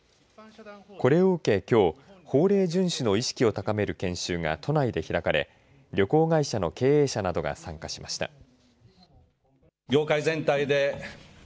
これを受け、きょう法令順守の意識を高める研修が都内で開かれ旅行会社の経営者などが参加しました。